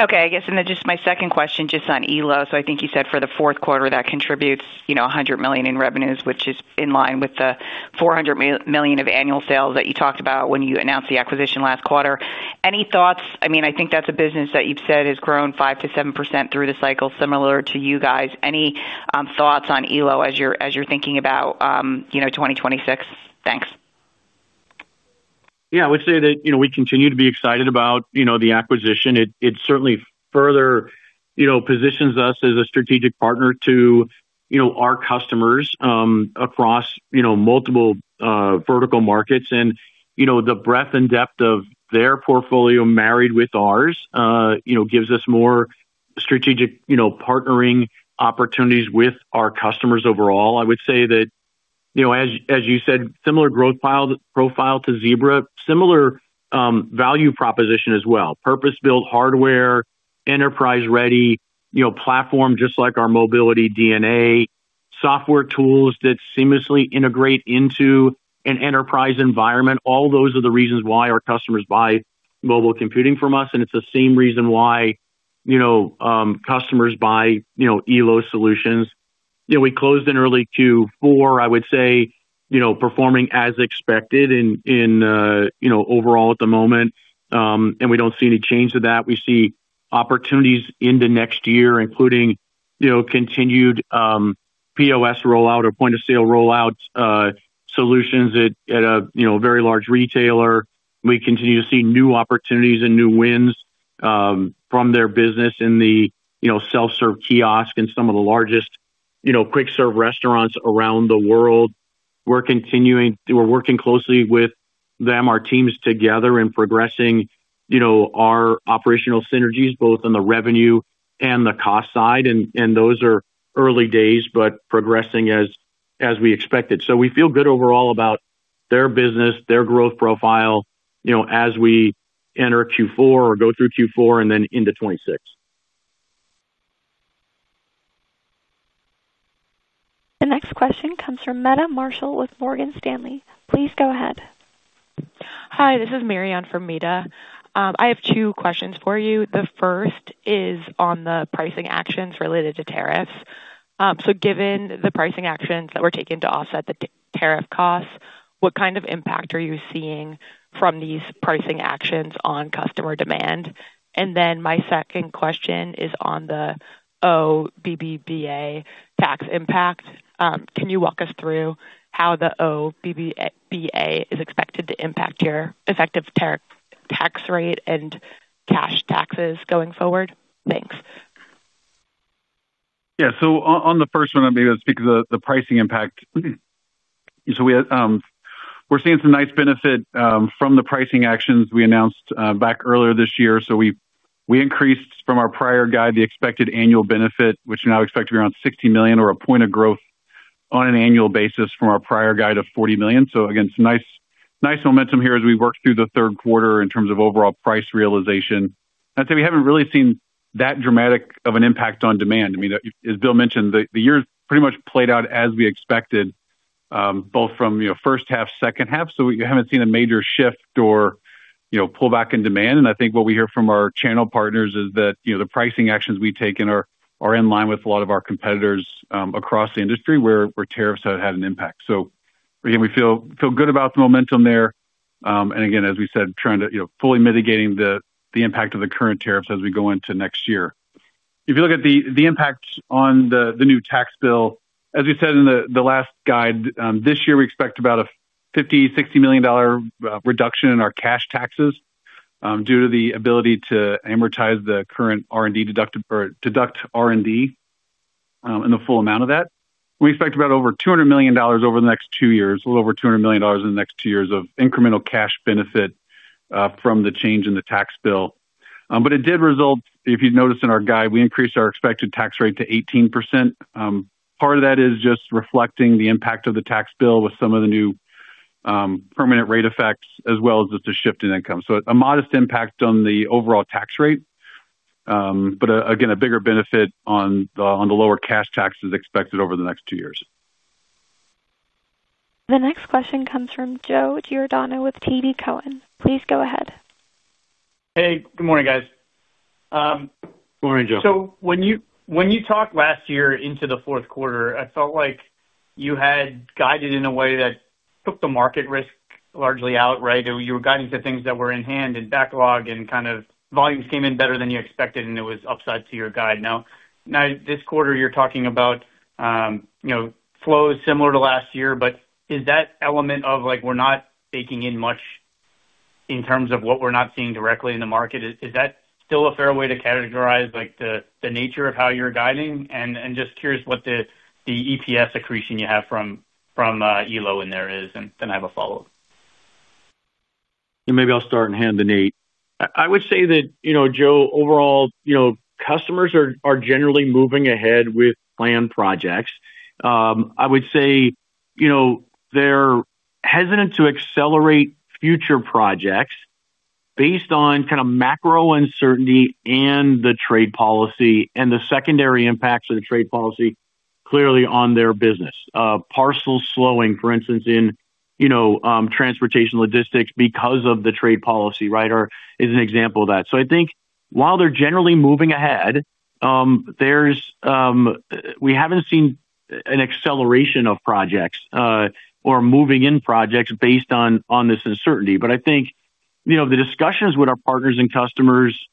Okay,. I guess, just my second question, just on Elo. I think you said for the fourth quarter, that contributes $100 million in revenues, which is in line with the $400 million of annual sales that you talked about when you announced the acquisition last quarter. Any thoughts? I mean, I think that's a business that you've said has grown 5%-7% through the cycle, similar to you guys. Any thoughts on Elo as you're thinking about 2026? Thanks. Yeah, I would say that we continue to be excited about the acquisition. It certainly further positions us as a strategic partner to our customers across multiple vertical markets. The breadth and depth of their portfolio Married with ours, gives us more strategic partnering opportunities with our customers. Overall, I would say that as you said, similar growth profile to Zebra, similar value proposition as well. Purpose-built hardware, enterprise-ready platform, just like our mobility DNA. Software tools that seamlessly integrate into an enterprise environment, all those are the reasons why our customers buy mobile computing from us and it's the same reason why customers buy Elo Solutions. We closed in early Q4. I would say, performing as expected overall at the moment, and we don't see any change to that. We see opportunities into next year, including continued POS rollout r point of sale rollout solutions at a very large retailer. We continue to see new opportunities and new wins from their business in the self-serve kiosk, and some of the largest quick-serve restaurants around the world. We're working closely with them, our teams together and progressing our operational synergies, both on the revenue and the cost side. Those are early days, but progressing as we expected. We feel good overall about their business, their growth profile, as we enter Q4 or go through Q4 and then into 2026. The next question comes from Meta Marshall with Morgan Stanley. Please go ahead. Hi, this is Marianne for Meta. I have two questions for you. The first is on the pricing actions related to tariffs. Given the pricing actions that were taken to offset the tariff costs, what kind of impact are you seeing from these pricing actions on customer demand? My second question is on the OBBBA tax impact. Can you walk us through how the OBBBA is expected to impact your effective tax rate and cash taxes going forward? Thanks. Yeah. On the first one, I'll be able to speak of the pricing impact. We're seeing some nice benefit from the pricing actions we announced back earlier this year. We increased from our prior guide, the expected annual benefit, which we now expect to be around $60 million or a point of growth on an annual basis from our prior guide of $40 million. Again, some nice momentum here as we work through the third quarter in terms of overall price realization. I'd say we haven't really seen that dramatic of an impact on demand. I mean, as Bill mentioned, the year's pretty much played out as we expected, both from first half, second half. We haven't seen a major shift or pullback in demand. I think what we hear from our channel partners is that the pricing actions we've taken are in line with a lot of our competitors across the industry, where tariffs have had an impact. Again, we feel good about the momentum there. Again, as we said, trying to fully mitigate the impact of the current tariffs as we go into next year. If you look at the impact on the new tax bill, as we said in the last guide, this year we expect about a $50 million-$60 million reduction in our cash taxes, due to the ability to amortize the current R&D, deduct R&D and the full amount of that. We expect about a little over $200 million in the next two years of incremental cash benefit from the change in the tax bill. If you notice in our guide, we increased our expected tax rate to 18%. Part of that is just reflecting the impact of the tax bill, with some of the new permanent rate effects as well as just a shift in income. A modest impact on the overall tax rate, but again, a bigger benefit on the lower cash tax is expected over the next two years. The next question comes from Joe Giordano with TD Cowen. Please go ahead. Hey. Good morning, guys. Morning, Joe. When you talked last year into the fourth quarter, I felt like you had guided in a way that took the market risk largely out, right? You were guiding to things that were in hand and backlog, and kind of volumes came in better than you expected and it was upside to your guide. Now, this quarter, you're talking about flows similar to last year. Is that element of like, we're not baking in much in terms of what we're not seeing directly in the market? Is that still a fair way to categorize the nature of how you're guiding? I'm just curious what the EPS accretion you have from Elo in there is, and then I have a follow-up. Maybe I'll start and hand to Nate. I would say that, Joe, overall customers are generally moving ahead with planned projects. I would say they're hesitant to accelerate future projects, based on kind of macro uncertainty and the trade policy, and the secondary impacts of the trade policy clearly on their business. Parcel slowing, for instance, in transportation logistics because of the trade policy. Rider is an example of that. I think while they're generally moving ahead, we haven't seen an acceleration of projects or moving in projects based on this uncertainty. I think the discussions with our partners and customers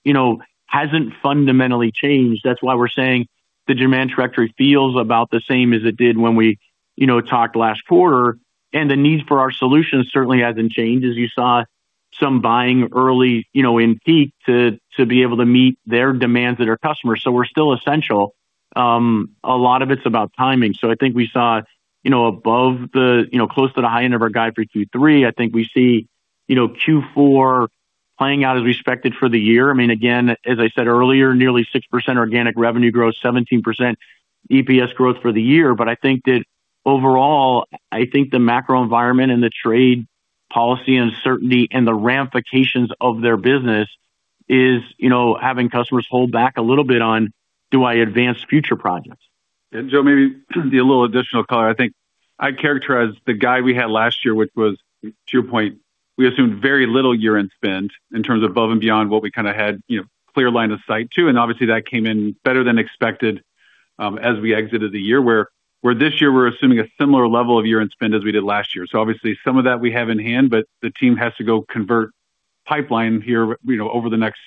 hasn't fundamentally changed. That's why we're saying the demand trajectory feels about the same as it did when we talked last quarter. The need for our solutions certainly hasn't changed, as you saw some buying early in peak, to be able to meet their demands and our customers'. We're still essential. A lot of it's about timing. We saw close to the high end of our guide for Q3. I think we see Q4 playing out as we expected for the year. Again, as I said earlier, nearly 6% organic revenue growth, 17% EPS growth for the year. I think that overall, the macro environment and the trade policy uncertainty and the ramifications of their business, is having customers hold back a little bit on, do I advan, ce future projects? Joe, maybe a little additional color. I think I characterize the guide we had last year, which was, to your point, we assumed very little year-end spend in terms of above and beyond what we kind of had clear line of sight to. Obviously, that came in better than expected as we exited the year. This year we're assuming a similar level of year-end spend as we did last year. Obviously, some of that we have in hand, but the team has to go convert pipeline here over the next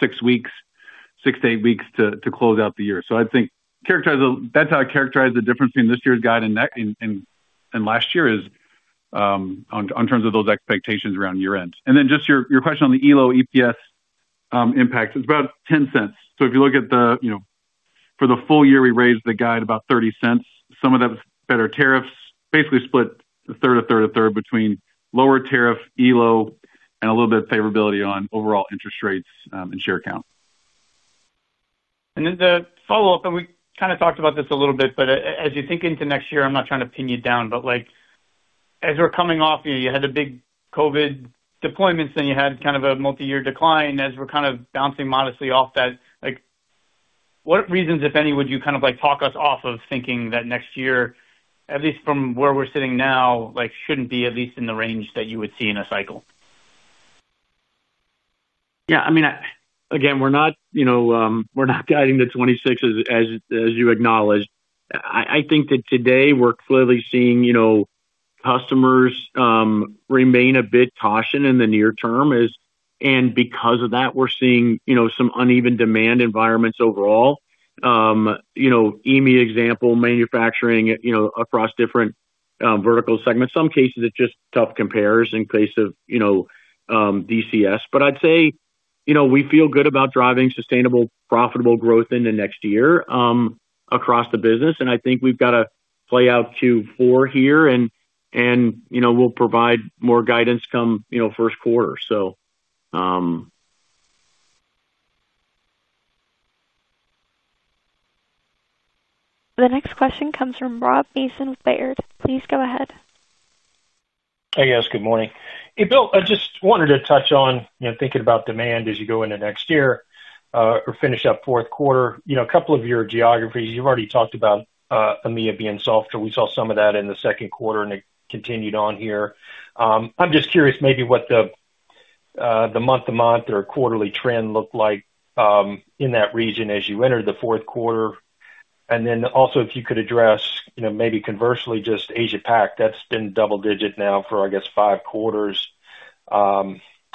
six to eight weeks, to close out the year. I think that's how I characterize the difference between this year's guide and last year, is in terms of those expectations around year-end. Just your question on the Elo EPS impact, it's about $0.10. If you look at, for the full year, we raised the guide about $0.30. Some of that was better tariffs, basically split 1/3, 1/3, 1/3 between lower tariff, Elo, and a little bit favorability on overall interest rates and share count. The follow-up, and we kind of talked about this a little bit, but as you think into next year, I'm not trying to pin you down, but as we're coming off, you had a big COVID deployments, then you had kind of a multi-year decline as we're bouncing modestly off that. What reasons, if any, would you kind of like talk us off of thinking that next year, at least from where we're sitting now, shouldn't be at least in the range that you would see in a cycle? Yeah. I mean again, we're not guiding the 2026 as you acknowledged. I think that today we're clearly seeing, you know, customers remain a bit cautioned in the near term, and because of that, we're seeing some uneven demand environments overall. EMEA, for example, manufacturing across different vertical segments. In some cases, it's just tough compares in place of DCS. I'd say we feel good about driving sustainable, profitable growth into next year across the business. I think we've got to play out Q4 here, and we'll provide more guidance come first quarter. The next question comes from Rob Mason, Baird. Please go ahead. Hey. Yes, good morning. Hey Bill, I just wanted to touch on, thinking about demand as you go into next year or finish up fourth quarter, a couple of your geographies. You've already talked about EMEA being softer. We saw some of that in the second quarter, and it continued on here. I'm just curious maybe what the month-to-month or quarterly trend looked like in that region as you entered the fourth quarter. Also, if you could address, you know, maybe conversely, just Asia Pac, that's been double digit now for I guess five quarters.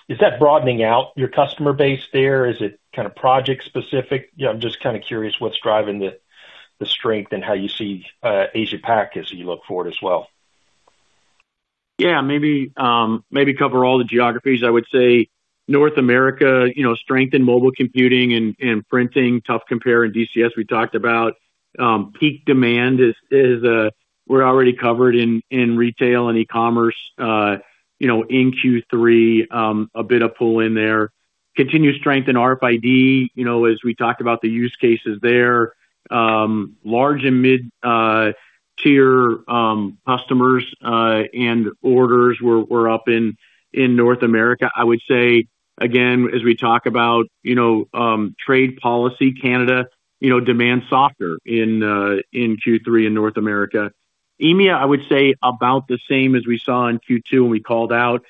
Is that broadening out your customer base there? Is it kind of project-specific? I'm just kind of curious what's driving the strength, and how you see Asia Pac as you look forward as well. Yeah, maybe cover all the geographies. I would say North America, strength in mobile computing and printing, tough compare in DCS. We talked about peak demand, as we're already covered in retail and e-commerce in Q3. A bit of pull in there. Continued strength in RFID, as we talked about the use cases there. Large and mid-tier customers and orders were up in North America. I would say again, as we talk about trade policy Canada, demand is softer in Q3 in North America. EMEA, I would say about the same as we saw in Q2 and we called out.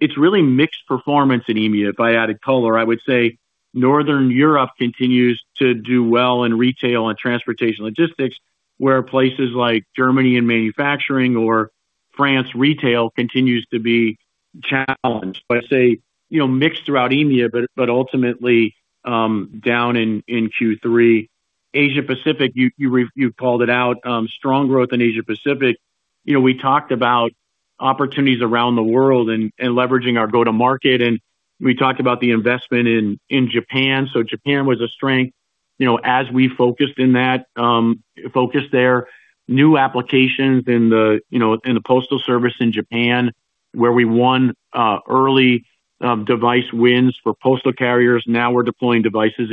It's really mixed performance in EMEA. If I added color, I would say Northern Europe continues to do well in retail and transportation logistics, where places like Germany and manufacturing or France, retail continues to be challenged. I'd say, you know, mixed throughout EMEA, but ultimately down in Q3. Asia Pacific, you called it out, strong growth in Asia Pacific. You know, we talked about opportunities around the world and leveraging our go-to-market, and we talked about the investment in Japan. Japan was a strength, as we focused there. New applications in the postal service in Japan, where we won early device wins for postal carriers. Now we're deploying devices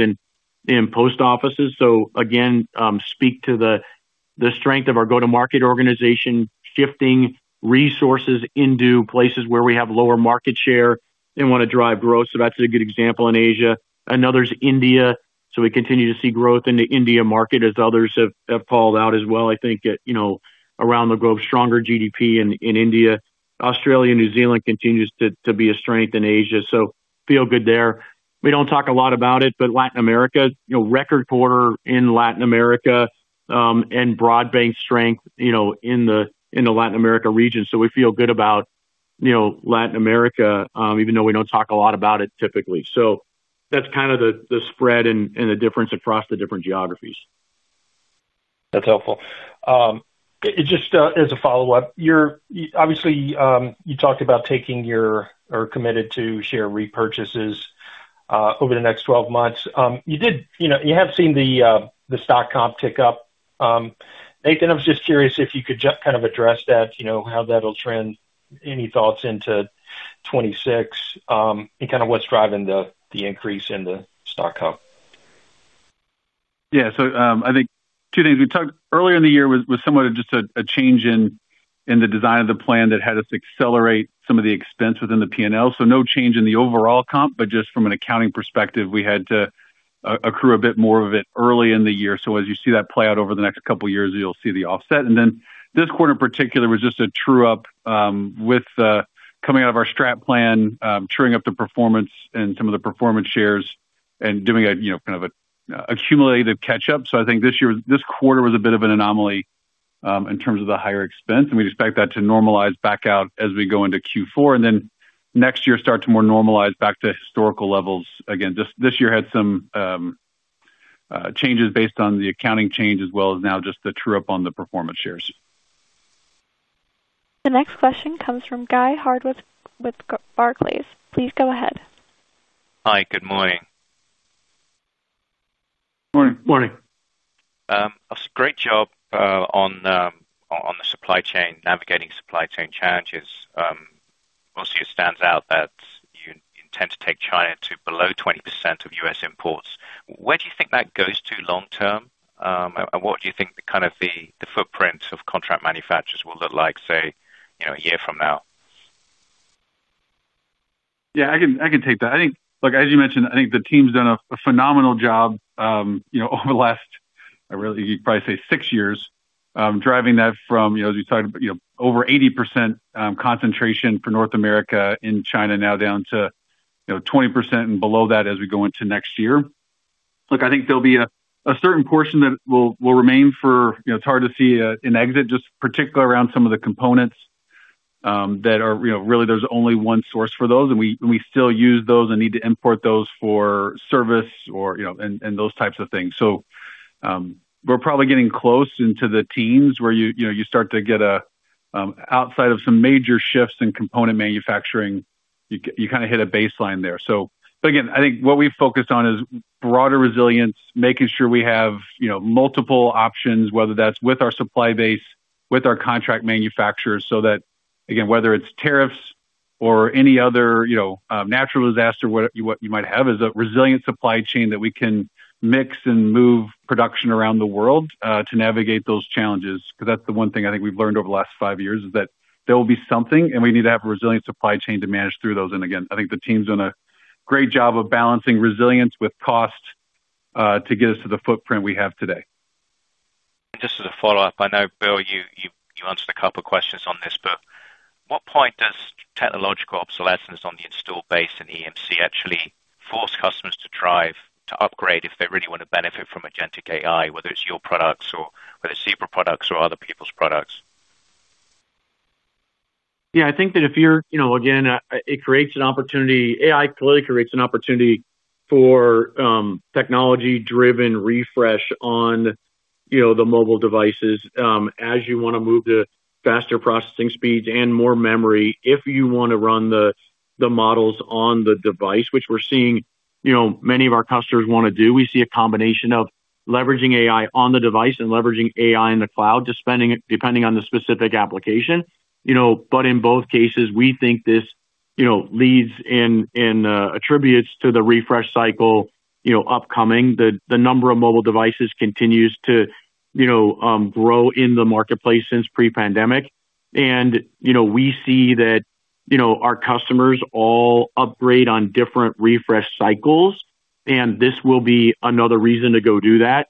in post offices. Again, speaks to the strength of our go-to-market organization, shifting resources into places where we have lower market share and want to drive growth. That's a good example in Asia. Another is India. We continue to see growth in the India market, as others have called out as well. I think around the globe, stronger GDP in India, Australia, New Zealand continues to be a strength in Asia, so feel good there. We don't talk a lot about it, but Latin America, record quarter in Latin America and broad-based strength in the Latin America region. We feel good about Latin America, even though we don't talk a lot about it typically. That's kind of the spread and the difference across the different geographies. That's helpful. Just as a follow-up, you obviously talked about, you're committed to share repurchases over the next 12 months. You have seen the stock comp tick up. Nathan, I was just curious if you could kind of address that, how that'll trend. Any thoughts into 2026, and kind of what's driving the increase in the stock comp? Yeah. I think two things we talked earlier in the year, was somewhat just a change in the design of the plan that had us accelerate some of the expense within the P&L. No change in the overall comp, but just from an accounting perspective, we had to accrue a bit more of it early in the year. As you see that play out over the next couple years, you'll see the offset. This quarter in particular was just a true-up coming out of our strat plan, truing up the performance and some of the performance shares and doing a kind of a cumulative catch-up. I think this quarter was a bit of an anomaly in terms of the higher expense, and we expect that to normalize back out as we go into Q4 and then next year start to more normalize back to historical levels. Again, just this year, had some changes based on the accounting change, as well as now just the true-up on the performance shares. The next question comes from Guy Hardwick with Barclays. Please go ahead. Hi, good morning. Morning. Morning. A great job on the supply chain, navigating supply chain challenges. Also, it stands out that you intend to take China to below 20% of U.S. imports. Where do you think that goes to long term? What do you think kind of the footprints of contract manufacturers will look like say a year from now? Yeah, I can take that. I think, look, as you mentioned, I think the team's done a phenomenal job over the last really, you'd probably say six years, driving that from, as you talked about, over 80% concentration for North America, in China now down to 20% and below that as we go into next year. Look, I think there'll be a certain portion that will remain for, it's hard to see an exit just particularly around some of the components, that really there's only one source for those and we still use those and need to import those for service and those types of things. We're probably getting close into the teens, where you start to get outside of some major shifts in component manufacturing, you kind of hit a baseline there. Again, I think what we focused on is broader resilience, making sure we have multiple options, whether that's with our supply base, with our contract manufacturers, so that again, whether it's tariffs or any other natural disaster you might have, it's a resilient supply chain that we can mix and move production around the world to navigate those challenges. That's the one thing I think we've learned over the last five years, is that there will be something and we need to have a resilient supply chain to manage through those. Again, I think the team's done a great job of balancing resilience with cost, to get us to the footprint we have today. Just as a follow up, I know Bill you answered a couple of questions on this, but at what point does technological obsolescence on the installed base and EMC actually force customers to drive to upgrade, if they really want to benefit from agentic AI, whether Zebra products or other people's products? Yeah, I think again, it creates an opportunity. AI clearly creates an opportunity for technology-driven refresh on the mobile devices, as you want to move to faster processing speeds and more memory. If you want to run the models on the device, which we're seeing many of our customers want to do, we see a combination of leveraging AI on the device and leveraging AI in the cloud, depending on the specific application. In both cases, we think this leads and attributes to the refresh cycle upcoming. The number of mobile devices continues to grow in the marketplace since pre-pandemic. We see that our customers all upgrade on different refresh cycles, and this will be another reason to go do that.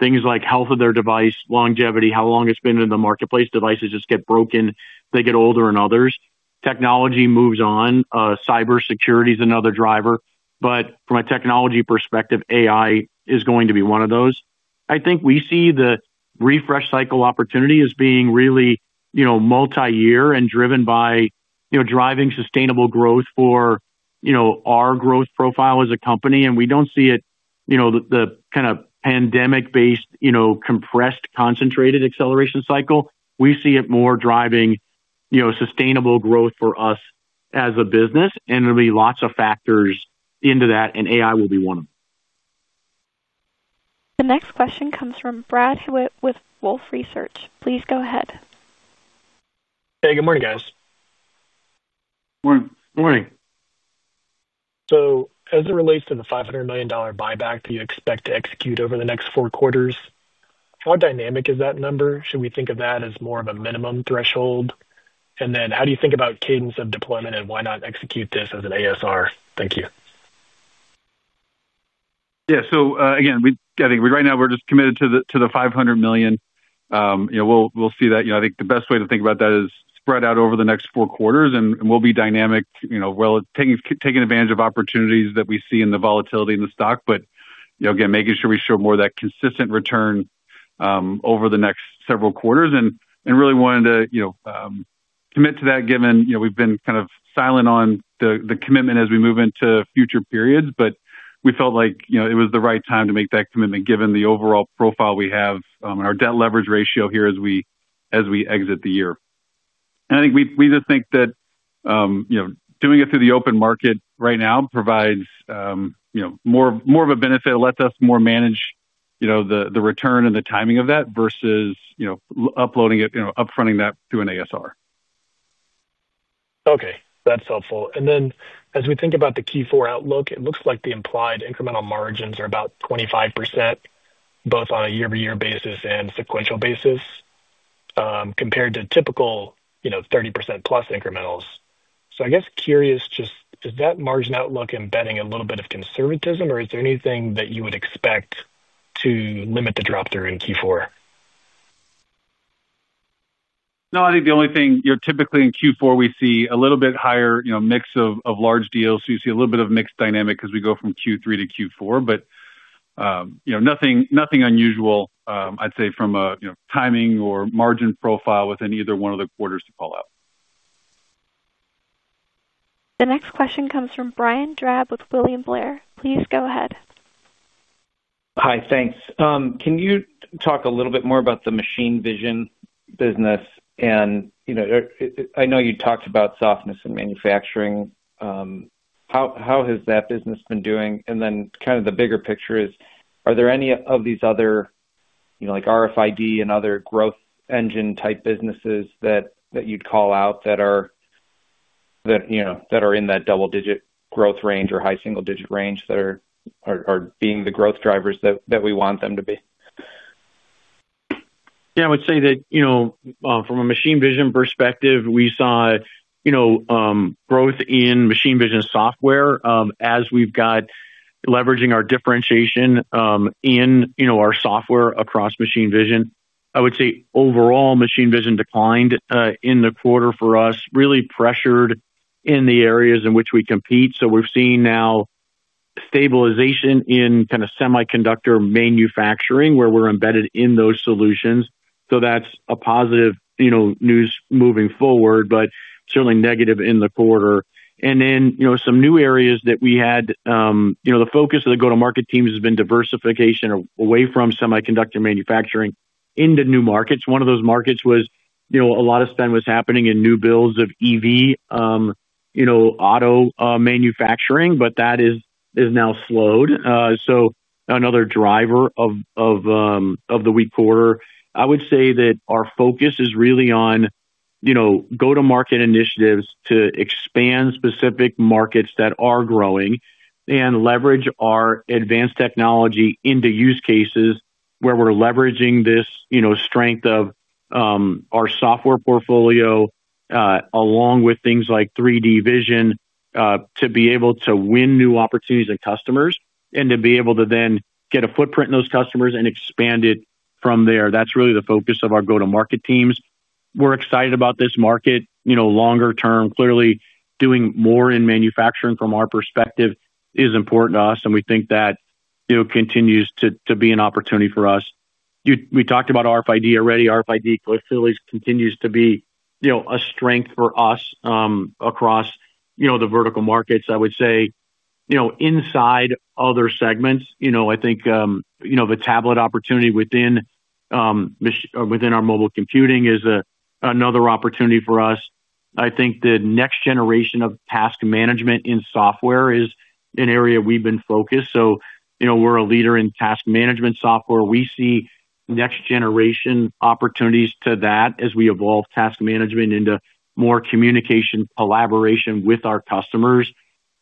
Things like health of their device, longevity, how long it's been in the marketplace, devices just get broken, they get older and others. Technology moves on. Cybersecurity is another driver. From a technology perspective, AI is going to be one of those. I think we see the refresh cycle opportunity as being really multi-year, and driven by driving sustainable growth for our growth profile as a company. We don't see it as the kind of pandemic-based, compressed, concentrated acceleration cycle. We see it more driving sustainable growth for us as a business. There'll be lots of factors into that, and AI will be one of them. The next question comes from Brad Hewitt with Wolfe Research. Please go ahead. Hey, good morning guys. Morning. Morning. As it relates to the $500 million buyback that you expect to execute over the next four quarters, how dynamic is that number? Should we think of that as more of a minimum threshold? How do you think about cadence of deployment? Why not execute this as an ASR? Thank you. Yeah. Again, I think right now we're just committed to the $500 million. We'll see that, I think the best way to think about that is spread out over the next four quarters and we'll be dynamic, taking advantage of opportunities that we see in the volatility in the stock. Making sure we show more of that consistent return over the next several quarters, and really wanted to commit to that, given we've been kind of silent on the commitment as we move into future periods. We felt like it was the right time to make that commitment, given the overall profile we have and our debt leverage ratio here as we exit the year. I think we just think that doing it through the open market right now, provides more of a benefit, lets us more manage the return and the timing of that versus uploading it, upfronting that through an ASR. Okay, that's helpful. As we think about the Q4 outlook, it looks like the implied incremental margins are about 25% both on a year-over-year basis and sequential basis, compared to typical 30%+ incrementals. I guess curious just, is that margin outlook embedding a little bit of conservatism or is there anything that you would expect to limit the drop through in Q4? No, I think typically in Q4, we see a little bit higher mix of large deals. You see a little bit of mix dynamic as we go from Q3 to Q4, but nothing unusual, I'd say, from a timing or margin profile within either one of the quarters to call out. The next question comes from Brian Drab with William Blair. Please go ahead. Hi, thanks. Can you talk a little bit more about the machine vision business? I know you talked about softness in manufacturing. How has that business been doing? The bigger picture is, are there any of these other like RFID and other growth engine type businesses that you'd call out, that are in that double-digit growth range or high single-digit range, that are being the growth drivers that we want them to be? Yeah. I would say that from a machine vision perspective, we saw growth in machine vision software, as we've got leveraging our differentiation in our software across machine vision. I would say overall machine vision declined in the quarter for us, really pressured in the areas in which we compete. We've seen now stabilization in kind of semiconductor manufacturing, where we're embedded in those solutions. That's a positive news moving forward, but certainly negative in the quarter. Some new areas that we had, the focus of the go-to-market teams has been diversification, away from semiconductor manufacturing into new markets. One of those markets was, you know, a lot of spend was happening in new builds of EV, auto manufacturing, but that has now slowed, so another driver of the weak quarter. I would say that our focus is really on go-to-market initiatives to expand specific markets that are growing, and leverage our advanced technology into use cases where we're leveraging this strength of our software portfolio, along with things like 3D vision, to be able to win new opportunities and customers, and to be able to then get a footprint in those customers and expand it from there. That's really the focus of our go-to-market teams. We're excited about this market longer term. Clearly, doing more in manufacturing from our perspective is important to us, and we think that continues to be an opportunity for us. We talked about RFID already. RFID facilities continue to be a strength for us across the vertical markets. I would say inside other segments, I think the tablet opportunity within our mobile computing is another opportunity for us. I think the next generation of task management in software, is an area we've been focused. We're a leader in task management software. We see next generation opportunities to that, as we evolve task management into more communication, collaboration with our customers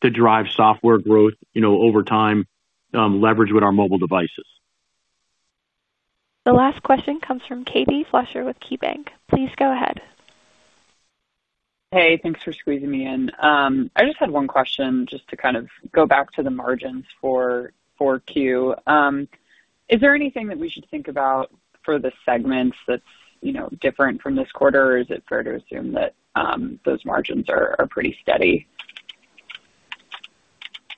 to drive software growth over time, leverage with our mobile devices. The last question comes from Katie Fleischer with KeyBanc. Please go ahead. Hey, thanks for squeezing me in. I just had one question. Just to kind of go back to the margins for Q4. Is there anything that we should think about for the reporting segments that's different from tthis quarter, or is it fair to assume that those margins are pretty steady?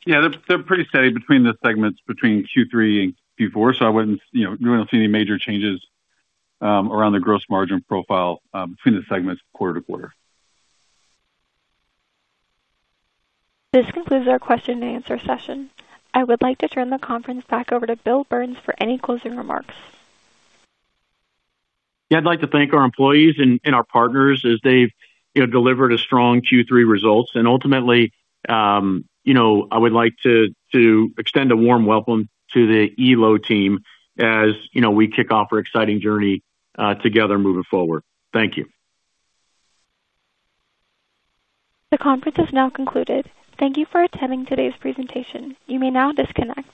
Yeah, they're pretty steady between the segments, between Q3 and Q4. We don't see any major changes around the gross margin profile between the segments quarter to quarter. This concludes our question-and-answer session. I would like to turn the conference back over to Bill Burns for any closing remarks. Yeah. I'd like to thank our employees and our partners, as they've delivered strong Q3 results. Ultimately, I would like to extend a warm welcome to the Elo team, as we kick off our exciting journey together moving forward. Thank you. The conference has now concluded. Thank you for attending today's presentation. You may now disconnect.